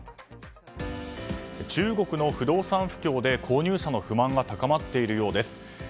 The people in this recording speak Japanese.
中国の不動産不況で購入者の不満が高まっているようです。